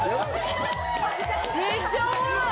めっちゃおもろい。